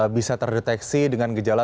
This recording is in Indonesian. bisa terdeteksi dengan gejala